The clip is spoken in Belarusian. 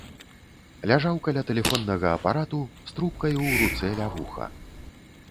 Ляжаў каля тэлефоннага апарату з трубкаю ў руцэ ля вуха.